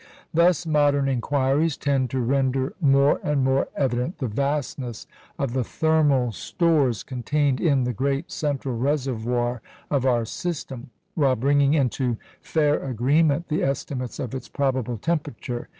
Thus, modern inquiries tend to render more and more evident the vastness of the thermal stores contained in the great central reservoir of our system, while bringing into fair agreement the estimates of its probable temperature.